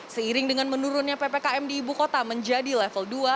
seiring dengan menurunnya ppkm di ibu kota menjadi level dua